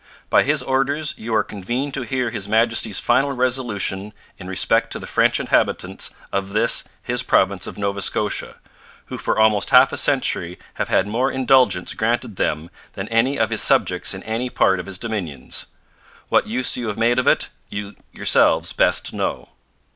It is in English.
By his orders you are convened to hear His Majesty's final resolution in respect to the French inhabitants of this his province of Nova Scotia, who for almost half a century have had more indulgence granted them than any of his subjects in any part of his dominions. What use you have made of it, you yourselves best know.